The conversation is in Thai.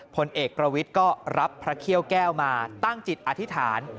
ผลเอกประวิทย์ก็รับพระเขี้ยวแก้วมาตั้งจิตอธิษฐาน